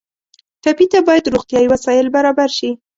ټپي ته باید روغتیایي وسایل برابر شي.